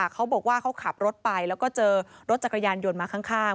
เขาบอกว่าเขาขับรถไปแล้วก็เจอรถจักรยานยนต์มาข้าง